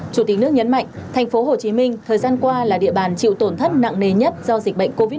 chủ tịch nước nhấn mạnh tp hcm thời gian qua là địa bàn chịu tổn thất nặng nề nhất do dịch bệnh covid một mươi chín